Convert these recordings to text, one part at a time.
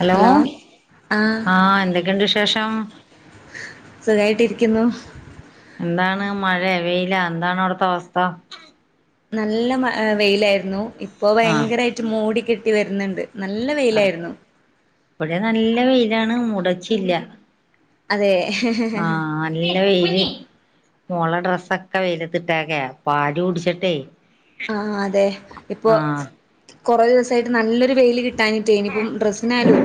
Hello ആഹ് ആ എന്തൊക്കെയുണ്ട് വിശേഷം സുഖായിട്ട് ഇരിക്കുന്നു എന്താണ് മഴയാ വെയിലാ എന്താണ് അവിടത്തെ അവസ്ഥ നല്ല മ വെയിലായിരുന്നു ഇപ്പൊ ആഹ് ഭയങ്കരമായിട്ട് മൂടി കെട്ടി വരുന്നുണ്ട് നല്ല അ വെയിലായിരുന്നു ഇവിടെ നല്ല വെയിലാണ് മുടച്ചില്ല അതെ പിന്നെ വെയില് മോളെ ഡ്രെസ്സൊക്കെ വെയിലത്തിട്ടേക്കയാ പാല് കുടിച്ചിട്ടെ ആ അതെ ഇപ്പൊ കൊറേ ദിവസായിട്ട് നല്ലൊരു വെയില് കിട്ട് ട്ടാഞ്ഞിട്ടേ ഇനിപ്പം ഡ്രസിനായാലും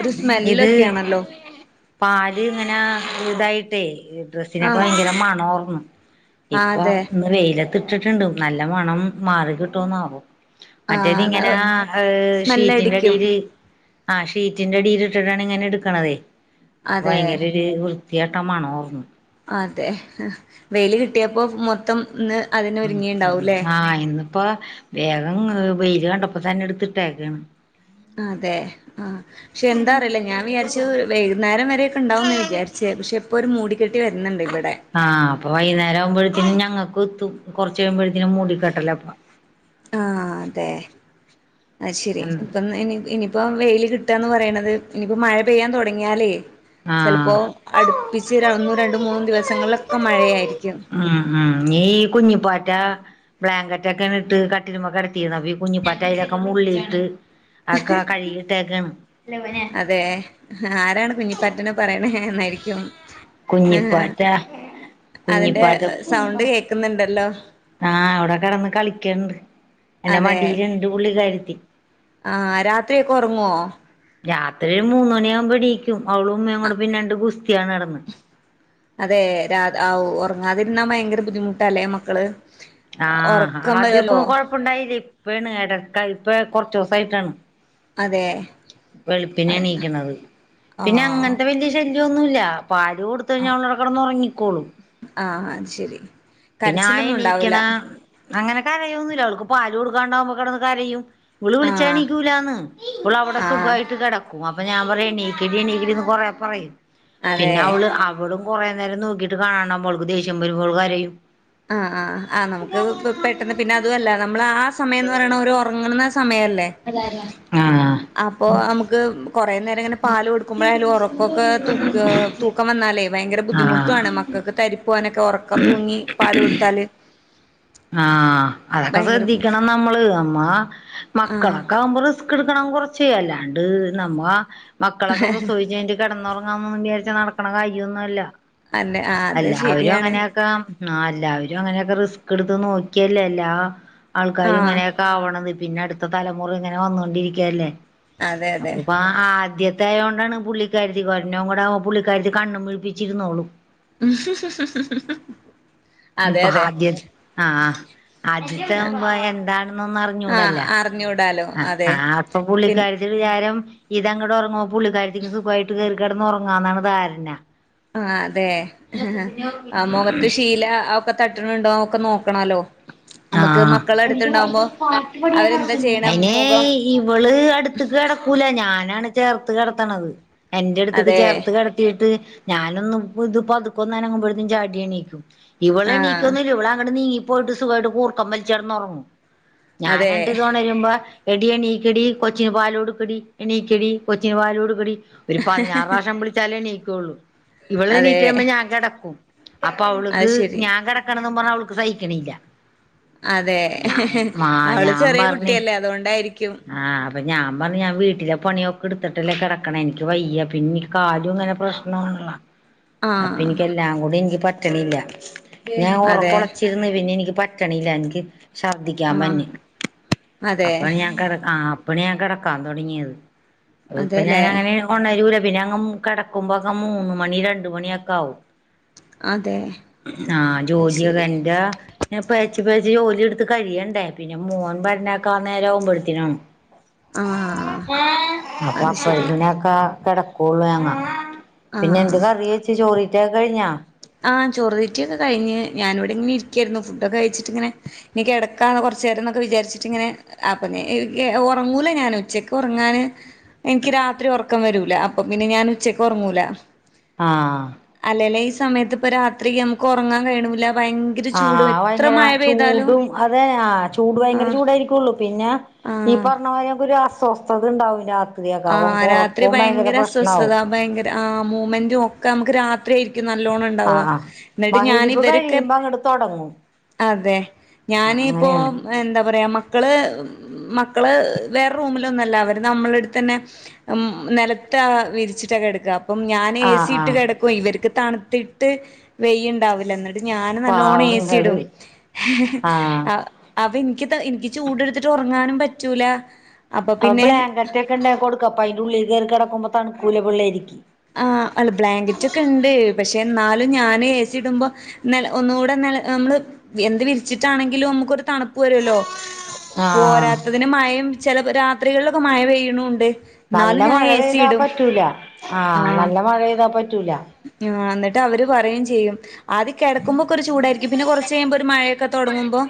ഒരു ഇത് സ്മെല്ലൊക്കെയാണല്ലോ പാല് ഇങ്ങനെ ഇതായിട്ട് ട്ടെ ഡ്രസ്സിനൊക്കെ ആഹ് ഭയങ്കര മണാ ഓർന്നു ആഹ് ഇപ്പൊ അതെ ഇന്ന് വെയില ഇതിട്ടിട്ടുണ്ട് നല്ല മണം മാറി കിട്ടോന്നാവോ മറ്റേത് ഇങ്ങനാ ആഹ് ഏ സ്മെല്ലടിക്കും ഷീറ്റിന്റടിയില് ആ ഷീറ്റിന്റെ അടിൽ ഇട്ടിട്ടാണ് ഇങ്ങനെ എടുക്കണതെ അപ്പോ അതെ ഭയങ്കര ഒരു വൃത്ത് വൃത്തികെട്ട മണവാർന്ന് അതെ വെയിൽ കിട്ടിയപ്പോ മൊത്തം ഇന്ന് അതിനൊരുങ്ങിണ്ടാവൂല്ലേ ആ ഇന്ന് ഇപ്പ വേഗം വെയിൽ കണ്ടപ്പോ തന്നെ എടുത്തിട്ടേക്കാണ് അതെ ആ പക്ഷെ എന്താ അറിയില്ല ഞാൻ വിചാരിച്ചു വൈകുന്നേരം വരൊക്കെ ഉണ്ടാവുന്നാ വിചാരിച്ചേ പക്ഷെ ഇപ്പോ ഒരു മൂടികെ ആ അപ്പൊ വൈന്നേരം ആവുമ്പോഴത്തേനും ഞങ്ങക്ക് കത്തും കൊറച്ച് കഴിയുമ്പഴ്ത്തേനും മൂടിക്കട്ടലാ ഇപ്പൊ ആ അതെ അത് ശരി ഉം ഇപ്പൊ ഇന്ന് ഇനി ഇനിപ്പ് ഇപ്പൊ വെയിൽ കിട്ടാന്ന് പറയണുന്നത് ഇനിയിപ്പോ മഴ പെയ്യാൻ തുടങ്ങിയാലേ ആഹ് ചിലപ്പോൾ അടുപ്പി ഇ ഒന്ന് രണ്ട് മൂന്നും ദിവസങ്ങളിലൊക്കെ മഴയായിരിക്കും ഉം ഉം ന കുഞ്ഞിപ്പാറ്റാ ബ്ലാങ്കറ്റ് ഒക്കെ ഇട്ട് കട്ടിലുമൊ കിടത്തിഇരുന്നു ഈ കുഞ്ഞിപ്പാറ്റ അതിലൊക്കെ മുള്ളി ഇട്ട് ആക്കെ കഴുകിട്ടേക്കണ് അതെ ആരാണ് കുഞ്ഞിപ്പാറ്റന്ന് പറയണേ എന്നായിരിക്കും കുഞ്ഞിപ്പാറ്റ അതിന്റെ കുഞ്ഞിപ്പാറ്റ സൗണ്ട് കേക്കുന്നുണ്ടല്ലോ ആ അവിടെ കിടന്ന് കളിക്കണ്ട് എന്റെ മടിയിൽ ഇണ്ട് പുള്ളിക്കാരത്തി ആ രാത്രിയക്കെ ഉറങ്ങുവോ രാത്രി ഒരു മൂന്ന് മണിയാകുമ്പോ എണീക്കും അവളും ഞാനും കൂടെ പിന്നെഗുസ്തി അതെ രാ ഉറങ്ങാതിരുന്നാ ഭയങ്കര ബുദ്ധിമുട്ടല്ലേ മക്കള് ആ ഉറക്കം ആദ്യൊക്കൊ വരുവല്ലോ കൊഴപ്പുണ്ടായില്ല ഇപ്പാണ് ഇടക്ക് ഇപ്പ കുറച്ച് ദിവസായിട്ടാണ് അതെ വെളുപ്പിനെ എണീക്കണത് പിന്നെ ആഹ് അങ്ങനത്തെ വലിയ ശല്യം ഒന്നുമില്ല പാല് കൊടുത്ത് കഴിഞ്ഞാ അവളവിടെ കിടന്നുറങ്ങിക്കോളും ആ ശരി പിന്നെ ആ കരച്ചിലൊന്നും ഉണ്ടാവൂല എണീക്കണ അങ്ങനെ കരയൊ ഒന്നുമില്ല അവൾക്ക് പാല് കൊടുക്കാണ്ടാവകുമ്പോ കിടന്ന് കരയും വിള് ആഹ് വിളിച്ചണീക്കൂലാന്ന് ഇവൾ അവിടെ ആഹ് സുഖായിട്ട് കിടക്കും ക്ക അപ്പൊ ഞാൻ പറയും നീക്കടി നീക്കടിന്ന് കൊറെ പറയും അതെ പിന്നെ അവള് അവിട കുറേ നേരം നോക്കിട്ട് കാണണംൾക്ക് ദേഷ്യംവരുമ്പോൾഅവള് കരെയും ആ ആ ആ നമുക്ക് പെട്ടെന്ന് പിന്നെ അതുമല്ല നമ്മൾ ആ സമയംന്ന് പറയുന്ന ഒരു ഉറങ്ങുന്ന ന്ന സമയല്ലേ അതാരാ ആഹ് അപ്പൊ നമുക്ക് കു കുറേ നേരം ഇങ്ങനെ പാല് കൊടുക്ക്പോഴാലും ഉറക്കൊക്കെ ത തൂക്കം വന്നാലേ ഭയങ്കര ബുദ്ധിമുട്ടാണ് ആഹ് നമക്ക് തരിപ്പാനൊക്കെ ഉറക്കം തൂങ്ങി പാല് എടുത്താല് ആ അതൊക്കെ ശ്രദ്ധിക്കണം നമ്മള് നമ്മ ആഹ് മക്കളൊക്കെ ആകുമ്പോ റിസ്ക് എടു ണം കുറച്ച് അല്ലാണ്ട് നമ്മ മക്കളൊക്കെ പ്രസവിച്ച കിടന്ന ച്ച നടക്കണ കാര്യം ഒന്നുംല്ല അല്ലെ ആഹ് അത് എല്ലാവരും ശരിയാണ് അങ്ങനെയൊക്കെ ആ എല്ലാവരും അങ്ങനെയൊക്കെ റിസ്ക് എടുത്ത് നോക്കിയല്ലേ അല്ലാ ആൾക്കാരും ആഹ് ഇങ്ങനെയൊക്കെ ആവണത് പിന്നെ അടുത്ത തലമുറ ഇങ്ങനെ വന്നൊണ്ടിരിക്കയല്ലേ അതെ അപ്പ അതെ ഇപ്പോ ആദ്യത്തെ ത്തായത് കൊണ്ടാണ് പുള്ളിക്കാരി ഒരെണ്ണം കൂടെ ആകുമ്പോ പുള്ളിക്കാരത്തി കണ്ണും പിടിപ്പിച്ചിരുന്നോളൂ [unintelligible] അതെ ഇപ്പൊ അതെ ആദ്യ ആ ആദ്യത്തെ ആകുമ്പോ എന്താണെന്ന് ഒന്നും ആഹ് അറിഞ്ഞൂടല്ല അറിഞ്ഞൂടാലോ ആ അതെ ആ അപ്പൊ പിൻ പുള്ളിക്കാരിത്തിടെ വിചാരം ഇതങ്ങോട്ട് ഉറങ്ങമ്പോ പുള്ളിക്കാരത്തിക്ക് സുഖമായിട്ട് കേറി കിടന്ന് ഉറങ്ങാന്നാണ് ധാരണ ആ അതെ ആ മുഖത്ത് ശീല ഒക്കെ തട്ടിണണ്ടോന്ന്ക്കെ നോക്ക നമുക്ക് മക്കള അടുത്തുണ്ടാവുമ്പോ അവരെന്താ ചെയ്യണ അയിനെ മുഖം ഇവള് അടുത്തക്ക് കിടക്കൂല ഞാനാണ് ചേർത്ത് കിടത്തണത് എന്റെ അടുത്തേക്ക് അതെ ചേർത്ത് കേടാത്തിട്ട് ഞാനൊന്നും ഇത് പതുക്കൊന്നനങ്ങുമ്പോഴത്തേനും ചാടിയെണിക്കും ആഹ് ഇവളെണിക്കുന്നുല്ല ഇവള് അങ്ങട് നീങ്ങി പോയിട്ട് സുഖമായിട്ട് കൂർക്കം വലിച്ചുകിടന്നുറങ്ങുഉം ഞാൻ അതെ എണ്ട് ഇതോണരുമ്പോ എടി എണിക്കെടി കൊച്ചിന് പാല്ടുക്കാടി എണിക്കെടി കൊച്ചിന് പാലോടുക്കാടി ഒരു പതിനാറ് പ്രാവശ്യം വിളിച്ചാലേ എണിക്കുള്ളൂ ഇവള് അതെ എണിറ്റ്‌ കഴിയുമ്പോ ഞാൻ കിടക്കും അപ്പൊ അത് അവൾക്ക് ശരി ഞാൻ കിടക്കണന്ന് പറഞ്ഞ് അവൾക്ക് സഹിക്കെണ്ണില്ല അതെ അവള് ചെറിയ കുട്ടിയല്ലേ അതുകൊണ്ടായിരിക്കും ആ അപ്പൊ ഞാൻ പറഞ്ഞു ഞാൻ വീട്ടിലെ പണിയൊക്കെ എടുത്തിട്ട് ട്ടാലെ കിടക്കണ്ണേ എനിക്ക് വയ്യ പിന്നെ ഈ കാലും ഇങ്ങനെ പ്രശ്നണല്ല അപ്പൊ ആഹ് എനിക്ക് എല്ലാം കൂടി എനിക്ക് പറ്റണില്ല ഞാൻ അതെ ഉറക്കൊളച്ചിരുന്ന് പിന്നെ എനിക്ക് പറ്റണില്ല എനിക്ക് ഛർദ്ദിക്കാൻ ആഹ് വെന് അതെ അപ്പൊ ഞാൻ കെ ഇപ്പണ ഞാൻ കിടക്കാൻ തോടങ്ങിയത് ഇപ്പൊ അതെല്ലേ ഞാനങ്ങനെ ഒണരുല്ലാ പിന്നെ അങ്ങ് കിടക്കുമ്പോക്കു മുന്ന് മണി രണ്ട് മണിക്കെ ആവും അതെ ആ അത് ജോലിയൊ ശരി എന്റെ പ്പ ജോലി എടുത്ത് കഴിയണ്ടേ പിന്നെ മോൻ വേരാണക്കാ നേരവുമ്പോഴുത്തേക്കാണ് ആഹ് അപ്പൊ അത് ശരി അപ്പോഴത്തെന്ന കിടക്കുള്ളു ഞങ്ങ പിന്നെ എന്ത് ആഹ് കറി വെച്ച് ചോറ് തീറ്റായൊക്കെ കഴിഞ്ഞാ ആ ചെറുതീറ്റിയൊക്കെ കഴിഞ്ഞ് ഞാനവിടെ ഇങ്ങനെ ഇരിക്കായിരുന്നു ഫുഡ്‌ക്കെ കഴിച്ചിട്ടിങ്ങനെ ഇനി കിടക്കാനുള്ള കുറുച്ച് നേരം ന്നൊക്കെ വിചാരിച്ചിട്ടിങ്ങനെ അപ്പ ഞാ ഒറങ്ങൂല ഞാൻ ഉച്ചക്ക് ഉറങ്ങാന് എനിക്ക് രാത്രി ഒറക്കം വരൂല്ല അപ്പൊ പിന്നെ ഞാൻ ഉച്ചയ്ക്ക് ഉറങ്ങൂല്ല ആ സമയത്ത് ഇപ്പൊ രാത്രി നമുക്ക് ഒറങ്ങാൻ കയുണുല്ല ആ ഭയങ്കര ചൂടും അതെ ആ ചൂട് ഭയങ്കര ആഹ് ചൂടായിരിക്കള്ളൂ പിന്നെ ഈ ആഹ് പറഞ്ഞ മാരി ഒരു അസ്വസ്ഥത ഉണ്ടാവും രാ ആ രാത്രി ഭയങ്കര അസ്വസ്ഥത ഭയങ്കര ആ മൂവ്മെന്റ് ഒക്കെ നമുക്ക് രാത്രി ആയിരിക്കും നല്ലോണം ഉണ്ടാവുക ആഹ് ആഹ് എന്നിട്ട് ഞാനും മഹരിബ് ഇവരൊക്കെ കഴിയുമ്പോ അങ്ങട് തുടങ്ങും അതെ ആഹ് ഞാന് ഇപ്പോ അങ്ങനെയാണ് എന്താ പറയാ മക്കള് മക്കള് വേറെ റൂമിലൊന്ന്ല്ല അവര് നമ്മള് എടു താനെ മ്മ് നെലത്ത് വിരിച്ചിട്ടാ കിടക്കാ അപ്പോം ഞാനെ എ ആഹ് സി ഇട്ട് ആഹ് കിടാക്കുവാ തണുത്തിട്ട് വെയുണ്ടാവില്ല എന്നിട്ട് ഞാൻ നല്ലണം എ സി ടും പാവങ്ങള് ആഹ് എനിക്ക് ചുടുടുത്തിട്ട് ഉറങ്ങാനു പറ്റൂലാ അപ്പൊ ബ്ലാക്കറ്റ് ഒക്കെ ഉണ്ടേ കൊടുക്കു അപ്പൊ അയിന്റെള്ളിൽ കെയറി കിടക്കുമ്പോ തണൂകുലാപിള്ളാരിക്ക്‌ ആ അല്ല ബ്ലാങ്കറ്റ് ഒക്കെ ഉണ്ട് പക്ഷെ എന്നാലും ഞാൻ എ സിടുമ്പോ ന്നെ ഒന്നുകൂടെ നമ്മള് എന്ത് വിരിച്ചിട്ടാണെങ്കിലും നമുക്കൊരു തണുപ്പ് വരുല്ലോ ആഹ് പോരാത്തതിന് മഴയും ചില രാത്രികളിലൊക്കെ മഴ പെയ്യണുണ്ട് നല്ല എന്നാലും ഞാൻ മഴ എ സി പെയ്താൽ ഇടും. പറ്റൂല ആ നല്ല മഴ പെയ്താ പറ്റു ആ എന്നിട്ട് അവര് പറയും ചെയ്യും അത് കിടക്കുമ്പോക്കെ ഒരു ചൂടായിരിക്കും പിന്നെ കുറച്ച് കഴിയുമ്പോൾ ഒരു മഴയക്കെ തുടങ്ങുമ്പോ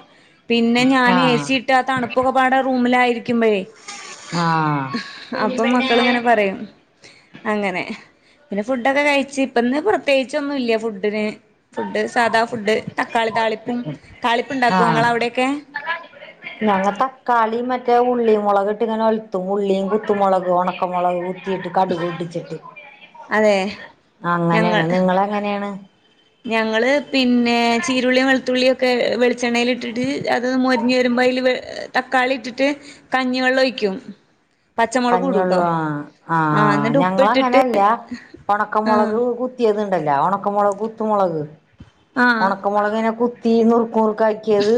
പിന്നെ ഞാൻ എ ആഹ് സി ഇട്ട് ആ തണുപ്പ് ഒക്കെപ്പാടെ റൂമിലായിരിക്കുമ്പോഴെ ആഹ് കുഞ്ഞി അപ്പൊ മക്കളിങ്ങനെ പെണ്ണേ പറയും അങ്ങനെ പിന്നെ ഫുഡൊക്കെ കഴിച് ഇപ്പന്ന് പ്രത്യേകിച്ചോന്നും ഇല്ല ഫുഡിന് ഫുഡ് സാധാ ഫുഡ് തക്കാളി താളിപ്പും താളിപ്പ് ഉണ്ടാക്കും ആഹ് നിങ്ങളാ അവിടെക്കെ ഞങ്ങ തക്കാളി മറ്റേ ഉള്ളി മുളക് ഇട്ട് ഇങ്ങനെ ഒലുത്തും ഉള്ളിയും കുത്തുമുളക് ഉണക്കമുളക് ത്തിട്ട് കടുക് പൊട്ടിച്ചിട്ട് അതെ ഞങ്ങൾ അങ്ങനെയാണ് നിങ്ങളെങ്ങനെയാണ് ഞങ്ങള് പിന്നെ ചീരുള്ളിയും വെളുത്തുള്ളിയും ഒക്കെ വെളിച്ചെണ്ണേൽ ഇട്ടിട്ട് അത് മൊരിഞ്ഞു വരുമ്പോ വൽ തക്കാളി ഇട്ടിട്ട് കഞ്ഞി വെള്ളം ഒഴിക്കും പച്ചമുളക് കഞ്ഞുള്ള ഇടൂട്ടോ ആ ആ ആഹ് എന്നിട്ട് ഞങ്ങള് ഉപ്പിട്ടിട്ട് അങ്ങനെല്ല ആഹ് ഒണക്കമൊളക് കുത്തിയത് ഇല്ല ഉണക്കമളക് കുത്തു മുളക് ആഹ് ഉണക്കമുളകിനെ കുത്തി നുറു നുറുക്കാക്കിയത്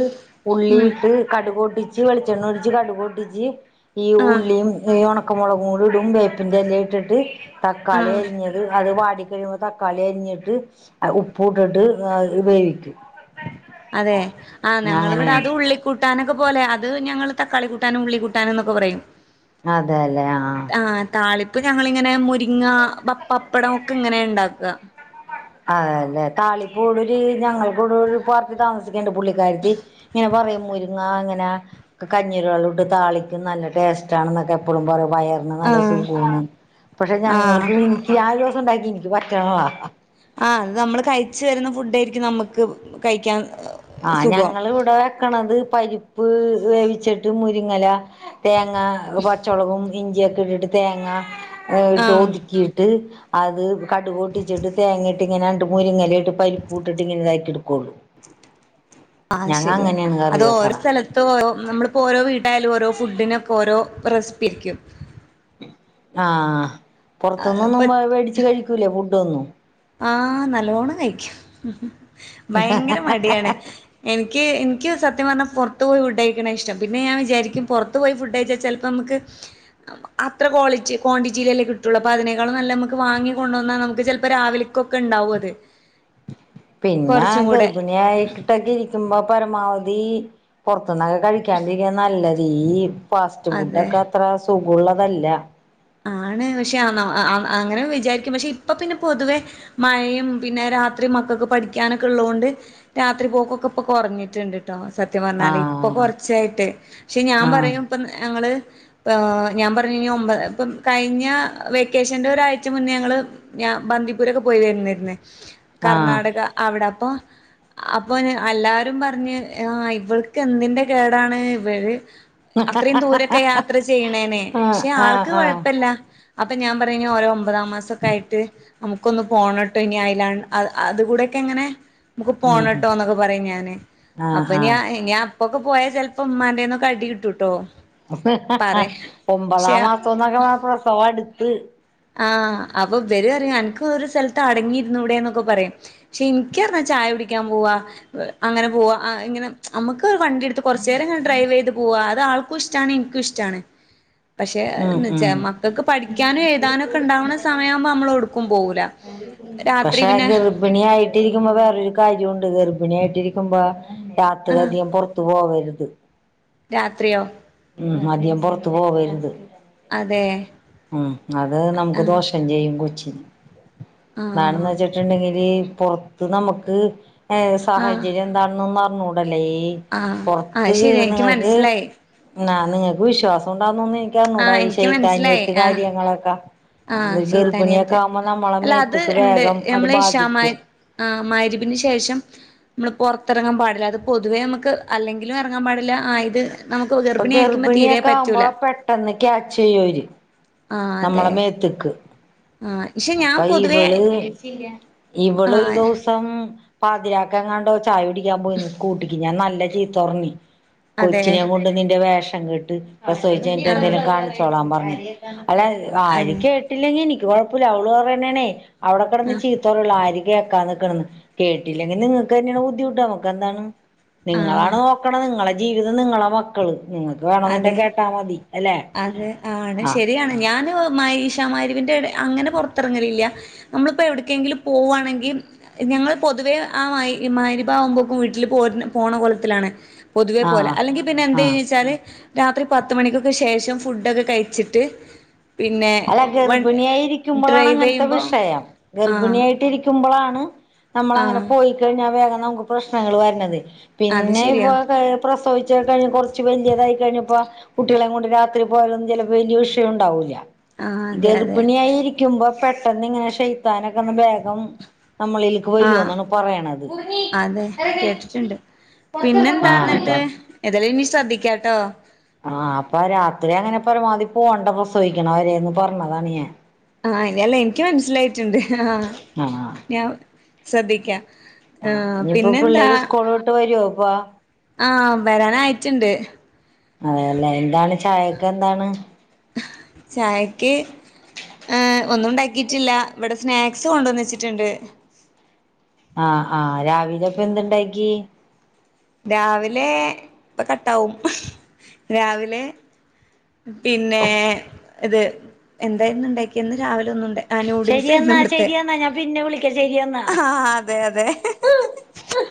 ഉം ഉള്ളിയിട്ട് കടുക് പൊട്ടിച്ച് വെളിച്ചെണ്ണ ഒഴിച്ച് കടുക് പൊട്ടിച്ച് ഈ ആഹ് ഉള്ളിയും ഈ ഉണക്കമുളകും കൂടി ഇടും വേപ്പിൻ്റെ ഇല ഇട്ടിട്ട് തക്കാളി ആഹ് അരിഞ്ഞത് അത് വാടി കഴിയുമ്പോൾ തക്കാളി അരിഞ്ഞിട്ട് ഉപ്പും ഇട്ടിട്ട് അത് ഉപയോഗിക്കും അതെ ആഹ് ഞങ്ങളിവിടെ അത് ഉള്ളിക്കൂട്ടാനൊക്കെ അതുപോലെ അത് ഞങ്ങള് തക്കാളി കൂട്ടാനും ഉള്ളി കൂട്ടാൻ എന്നൊക്കെ പറയും അതേല്ലേ ആഹ് അപ്പൊ ഞങ്ങളിങ്ങനെ മുരിങ്ങ പപ്പാ പപ്പടം ഒക്കെ ഇങ്ങനാ ഉണ്ടാക്കുക ഇവിടൊരു ഒരു പാർട്ടി താമസിക്കണുണ്ട് പുള്ളിക്കാരത്തി ഇങ്ങനെ പറയും മുരിങ്ങ ഇങ്ങനെ കഞ്ഞിടെ വെള്ളം ഇട്ട് താളിക്കും നല്ല ടേസ്റ്റ് ആണെന്നൊക്കെ എപ്പോഴും പറയും വയറിന് നല്ല ആഹ് സുഖുവാണ് പക്ഷെ ആഹ് ഞങ്ങൾക്ക് എനിക്ക് ആ ഒരു ദിവസം ഉണ്ടാക്കി എനിക്ക് പറ്റണില്ല ആഹ് അത് നമ്മള് കഴിച്ച് വരുന്ന ഫുഡ് ആയിരിക്കും നമ്മക്ക് കഴിക്കാൻ ആഹ് സുഖം. ഞങ്ങൾ ഇവിടെ വെക്കണത് പരിപ്പ് വേവിച്ചിട്ട് മുരിങ്ങല തേങ്ങ പച്ചമുളകും ഇഞ്ചിയൊക്കെ ഇട്ടിട്ട് തേങ്ങ ഇട്ട് ആഹ് ഒതുക്കിയിട്ട് അത് കടുക്പൊട്ടിച്ചിട്ട് തേങ്ങയിട്ട് ഇങ്ങനെ രണ്ട് മുരിങ്ങേല ഇ പരിപ്പു വിട്ടിട്ട് ഇങ്ങനെ ഇതായിട്ട് എടുക്കുള്ളു ആഹ് ശരിയാ കറി അത് ഓരോ വെക്കണ സ്ഥലത്തും ഓ നമ്മളിപ്പോ ഓരോ വീ ട്ടിലായാലും ഓരോ ഫുഡിനൊക്കെ ഓരോ റെസിപ്പി ആരിക്കും ആഹ് പുറത്തൂന്നൊന്നും ഇപ്പൊ മേടിച്ച് കഴിക്കൂലേ ഫുഡ് ഒന്നും ആഹ് നല്ലോണം കഴിക്കും ഭയങ്കര മടിയാണ് എനിക്ക് എനിക്ക് സത്യം പറഞ്ഞാൽ പുറത്ത് പോയി ഫുഡ് കഴിക്കണെയാ ഇഷ്ടം പിന്നെ ഞാൻ വിചാരിക്കും പുറത്ത് പോയി ഫുഡ് കഴിച്ചാൽ ചിലപ്പോ നമ്മക്ക് അത്ര ക്വാളിറ്റി ക്വാണ്ടിറ്റിയിലല്ലേ കിട്ടുള്ളൂ അപ്പം അതിനേക്കാള് നല്ലത് നമുക്ക് വാങ്ങി കൊണ്ട് വന്നാൽ നമുക്ക് ചിലപ്പോ രാവിലെ ക്കൊക്കെ ഉണ്ടാവും അത് പിന്നെ കൊറച്ചും കൂടെ ഗർഭിണിയായിട്ടൊക്കെ ഇരിക്കുമ്പോ പരമാവദി പൊറ ത്തൂന്നൊക്കെ കഴിക്കാണ്ടിരിക്കണതാ നല്ലത് ഈ ഫാസ്റ്റ് ഫുഡ് അതെ. ഒക്കെ അത്ര സുഖമുള്ളതല്ല ആണ് പക്ഷെ അ അ അങ്ങനെ വിചാരിക്കും പക്ഷെ ഇപ്പൊ പിന്നെ പൊതുവെ മഴയും പിന്നെ രാത്രി മക്കൾക്ക് പഠിക്കാനൊക്കെ ഉള്ളതുകൊണ്ട് രാത്രി പോക്കൊക്കെ ഇപ്പൊ കുറഞ്ഞിട്ടുണ്ട് ട്ടോ സത്യം പറഞ്ഞാല് ഇപ്പൊ ആഹ് കൊറച്ചായിട്ട് പക്ഷെ ഞാൻ ആഹ് പറയും ഇപ്പൊ ഞങ്ങള് ആഹ് ഞാൻ പറഞ്ഞ് കഴിഞ്ഞാ ഒമ്പത് ഇപ്പം കഴിഞ്ഞ വെക്കേഷൻ്റെ ഒരാഴ്ച മുന്നേ ഞങ്ങള് ഞാൻ ബന്ദിപ്പൂരൊക്കെ പോയി വന്നിരുന്ന് ആഹ് കർണാടക അവിടെ അപ്പൊ അപ്പൊ എല്ലാരും പറഞ്ഞ് ആ ഇവൾക്ക് എന്തിന്റെ കേടാണ് ഇവള് അത്രയും ദൂരൊക്കെ യാത്ര ചെയ്യണേനെ ആഹ് പക്ഷെ ആഹ് ആൾക്ക് ആഹ് കൊഴപ്പില്ല അപ്പൊ ഞാൻ പറയും ഇനി ഓരോ ഒമ്പതാം മാസമൊക്കെ ആയിട്ട് നമുക്കൊന്ന് പോണട്ടോ ഇനി അയലാ അത് അത് കൂടെ എങ്ങനെ നമുക്ക് ഉം ഉം പോണട്ടോന്നൊക്കെ പറയും ഞാന് അപ്പൊ ആഹ് ഞ ആഹ് ഞാൻ ഇപ്പൊക്കെ പോയാൽ ചിലപ്പം ഉമ്മാന്റെേന്നൊക്കെ അടി കിട്ടും ട്ടോ ഒമ്പതാം മാസം എന്നൊക്കെ പറഞ്ഞാ പ്രസവം അടുത്ത് ആഹ് അപ്പോ ഇവര് പറയും അനക്ക് ഒര് സ്ഥലത്ത് അടങ്ങിയിരുന്നൂടെ എന്നൊക്കെ പറയും പക്ഷെ എനിക്കറിഞ്ഞാ ചായ കുടിക്കാൻ പോവാ അങ്ങനെ പോവാ ആ ഇങ്ങനെ നമ്മക്ക് വണ്ടി എടുത്ത് കൊറച്ച് നേരം ഇങ്ങനെ ഡ്രൈവ് ചെയ്ത് പോവാ അത് ആൾക്കും ഇഷ്ടമാണ് എനിക്കും ഇഷ്ടമാണ് പക്ഷെ ഉം എന്ന് വെച്ചാ ഉം മക്കൾക്ക് പഠിക്കാനും എഴു താനും ഒക്കെ ഉണ്ടാവണ സമയം ആവുമ്പം നമ്മള് എവിടുക്കും പോകൂല്ല പക്ഷെ ഗർഭിണി ആയിട്ടിരിക്കുമ്പോ വേറൊരു കാര്യമുണ്ട് ഗ ഗർഭിണി ആയിട്ടിരിക്കുമ്പോ രാത്രി ആഹ് അധികം പുറത്തു പോവരുത് രാത്രിയോ ഉം അധികം പുറത്ത് പോവരുത് അതെ ഉം അത് നമുക്ക് ദോഷം ചെയ്യും കൊച്ചി എന്താണെന്ന് ആഹ് വെച്ചിട്ടുണ്ടെങ്കില് പൊറത്ത് നമുക്ക് ഏത് ആഹ് സാഹചര്യം എന്താണെന്നൊന്നും അറിഞ്ഞുകൂടല്ലോ ഈ ആഹ് അത് പൊറത്ത് ശരിയാ ഇൻക്ക് കേറുന്നവർക്ക്‌ മനസ്സിലായി ആഹ് നിങ്ങക്ക് വിശ്വാസം ഉണ്ടാവുന്നോന്ന് എനിക്കറിഞ്ഞു കൂടാ ആഹ് ഈ ഇൻക്ക് ശൈത്ത് മനസ്സിലായി ആനിയേത്ത് ആഹ് കാര്യങ്ങളൊക്കെ ആഹ് അത് ഗർഭിണിയൊക്കെ ശൈത്താനിയത്ത് ആകുമ്പോ നമ്മളെ അല്ല മേത്തക്ക് വേഗം അത് ബാധിക്കും ആ മരിവിന് ശേഷം നമ്മള് പുറത്തിറങ്ങാൻ പാടില്ല അത് പൊതുവേ നമുക്ക് അല്ലെങ്കിലും ഇറങ്ങാൻ പാടില്ല ആയത് ഇപ്പൊ ഗർഭിണിയൊക്കെ ആകുമ്പോ പെട്ടെന്ന് ക്യാച്ച് ചെയ്യുവര് ആഹ് അതെ നമ്മളെ മേത്തിക്ക് ആഹ് പക്ഷെ ഞാൻ അപ്പൊ പൊതുവേ ഇവള് ഇവൾ ഒരു ആഹ് ദിവസം പാതിരാക്കങ്ങാണ്ടോ ചായ കുടിക്കാൻ പോയിന്ന് സ്കൂട്ടിക്ക് ഞാൻ നല്ല ചീത്തറഞ്ഞ് അതെ കൊച്ചിനെ കൊണ്ട് നിന്റെ വേഷം കെട്ട് പ്രസോയിച്ച് കഴിഞ്ഞിട്ട് ആഹ് എന്തേങ്കലും കാണിച്ചോളാൻ പറഞ്ഞു അല്ല ആര് അതെ കേട്ടില്ലെങ്കിൽ എനിക്ക് കുഴപ്പമില്ല അവള് പറയണേ അവിടെക്കടന്ന് ആഹ് ചീത്തോറള്ളൂ ആര് കേക്കാ നിക്കണന്ന് കേട്ടില്ലെങ്കിൽ നിങ്ങൾക്ക് തന്നെയാണ് ബുദ്ധിമുട്ട് നമുക്ക് എന്താണ് നിങ്ങളാണ് ആഹ് നോക്കണ നിങ്ങളുടെ ജീവിതം നിങ്ങളെ മക്കള് നിങ്ങക്ക് വേണെന്നണ്ട അതെ കേട്ടാ മതി അല്ലെ ആഹ് മയിഷമാരിവിന്റെ അങ്ങനെ പുറത്തിറങ്ങലില്ല നമ്മളിപ്പോ എവിടക്കെങ്കിലും പോകുകവാണെങ്കിൽ ഞങ്ങൾ പൊതുവേ ആ മായി മാരിഭാവുമ്പോക്കും വീട്ടിൽ പോ പോണ കുലത്തിലാണ് പൊതുവേ പോലെ ആഹ് അല്ലെങ്കിൽ പിന്നെ ആഹ് എന്തയ്ന്ന് വച്ചാൽല് രാത്രി പത്ത് മണിക്കൊക്ക് ശേഷം ഫുഡൊക്കെ കഴിച്ചിട്ട് പിന്നെ അല്ല വൺ ഗർഭിണിയായിരിക്കുമ്പളാണ് ഡ്രൈവ് അങ്ങനത്തെ ചെയ്യുമ്പോൾ വിഷയം ആ നമ്മളാ അങ്ങനെ പോയിക്കഴിഞ്ഞാൽ വേഗം നമുക്ക് പ്രശ്നങ്ങൾ വരണത് അത് പിന്നെ ശെരിയാ. ഇപ്പൊ പ്രസവിച്ചഴിഞ്ഞ് കൊറച്ച് വലിയതായി കഴിഞ്ഞ ഇപ്പ കുട്ടികളെ കൊണ്ട് രാത്രി പോയാലൊന്നും ചിലപ്പോ വല്യ വിഷം ഉണ്ടാവൂല്ല ആഹ്. അതെ അതെ. ഗർഭിണിയായി രിക്കുമ്പോ പെട്ടന്ന് ഇങ്ങനെ ഷെയ്യ്ത്താനൊക്കെ ഒന്ന് വേഗം നമ്മളലേക്ക് വരു ആഹ്. എന്നാണ് പറയണത് അതെ. കേട്ടിട്ട്ണ്ട്. പിന്നെന്താ ആഹ അപ്പ ന്നട്ട്? ഏതായാലും ഇനി ശ്രദ്ധിക്കാട്ടോ ആഹ് അപ്പ രാത്രി അങ്ങനെ പരമാവധി പോകേണ്ട പ്രസവിക്കണ വേരെന്ന് പറഞ്ഞതാണ് ഞാൻ ആഹ് അനല്ല എനിക്ക് മനസ്സിലായിട്ടുണ്ട് ആഹ് ആഹ് ഞാൻ ശ്രദ്ധിക്കാം ആഹ് ഇനിയിപ്പോ പിള്ളേര് സ്കൂള് വിട്ടു വരുവോ ഇപ്പ ആഹ വരാനയിട്ടുണ്ട് അതെയല്ലേ എന്താണ് ചായൊക്കെ എന്താണ് ചായക്ക്- ആഹ് ഒന്നുംണ്ടാക്കിട്ടില്ല ഇവിടെ സ്നാക്സ് കൊണ്ടുവന്നച്ചിട്ടുണ്ട് ആഹ് ആഹ് രാവിലെ അപ്പ എന്തുണ്ടായിക്കി രാവിലെ ഇപ്പൊ കട്ടാവും രാവിലെ പിന്നെ ഇത് എന്തായിരുന്നു ഉണ്ടാക്കിന്ന് രാവിലെ ഒന്നുണ്ട- ശരിയെന്നാ ശരി എന്നാ ഞാൻ പിന്നെ വിളിക്കാം ശരിയെന്നാ ആഹ് അതെ അതെ ഹ്ഹ്